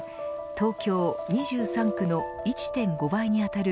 東京２３区の１．５倍に当たる